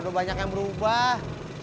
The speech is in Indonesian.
udah banyak yang berubah